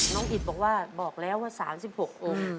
อิตบอกว่าบอกแล้วว่า๓๖องค์